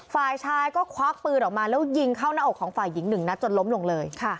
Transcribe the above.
ฝ่ายชายก็ควักปืนออกมาแล้วยิงเข้าหน้าอกของฝ่ายหญิงหนึ่งนัดจนล้มลงเลย